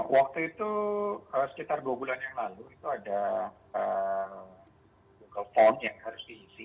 waktu itu sekitar dua bulan yang lalu itu ada google form yang harus diisi